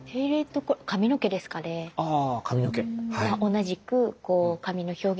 同じく髪の表現